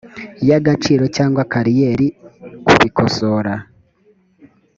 y agaciro cyangwa kariyeri kubikosora